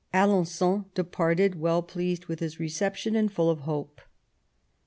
Alen9on departed well pleased with his reception and full of hope.